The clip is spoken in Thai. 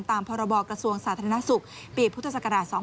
ตามพบกระทรวงสาธารณสุขปีพศ๒๕๓๕